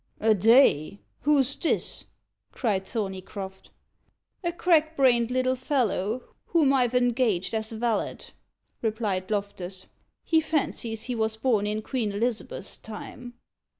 "Eh day! who's this?" cried Thorneycroft. "A crack brained little fellow, whom I've engaged as valet," replied Loftus. "He fancies he was born in Queen Elizabeth's time."